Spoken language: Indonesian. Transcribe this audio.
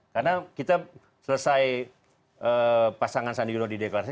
karena kita selesai pasangan sandi yudho di deklarasi